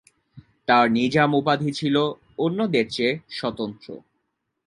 তার নিজাম উপাধি ছিল অন্যদের চেয়ে স্বতন্ত্র।